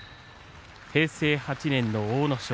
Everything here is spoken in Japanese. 平成８年の阿武咲。